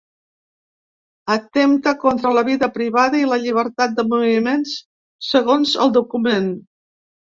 Atempta contra la vida privada i la llibertat de moviments, segons el document.